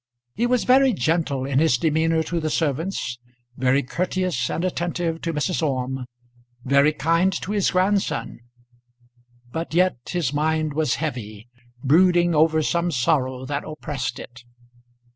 He was very gentle in his demeanour to the servants, very courteous and attentive to Mrs. Orme, very kind to his grandson. But yet his mind was heavy; brooding over some sorrow that oppressed it.